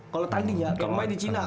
kalau tanding ya rumahnya di cina